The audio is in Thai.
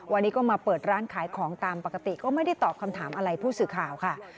วันนี้ก็มาเปิดร้านขายของตามปกติก็ไม่ได้ตอบคำถามอะไรผู้สื่อข่าวค่ะ